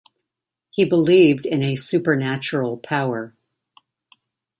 He believed in a supernatural power.